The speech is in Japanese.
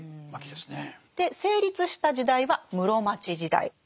で成立した時代は室町時代。